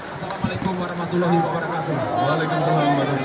assalamu'alaikum warahmatullahi wabarakatuh